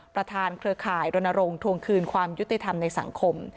เครือข่ายรณรงค์ทวงคืนความยุติธรรมในสังคม